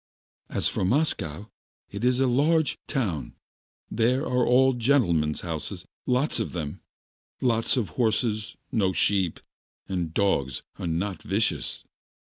"As for Moscow, it is a large town, there are all gentlemen's houses, lots of horses, no sheep, and the dogs are not vicious.